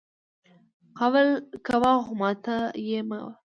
قول کوه خو ماتوه یې مه!